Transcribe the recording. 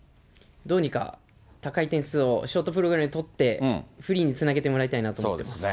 どうにか高い点数をショートプログラムで取って、フリーにつなげてもらいたいなと思っています。